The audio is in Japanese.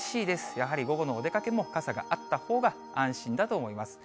やはり午後のお出かけも傘があったほうが安心だと思います。